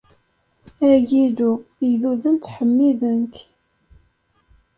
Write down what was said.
Ay Illu, igduden ttḥemmiden-k.